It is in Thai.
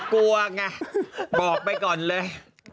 กลัวไงบอกไปก่อนเลย